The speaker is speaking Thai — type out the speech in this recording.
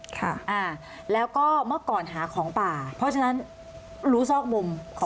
ค่ะอ่าแล้วก็เมื่อก่อนหาของป่าเพราะฉะนั้นรู้ซอกมุมของ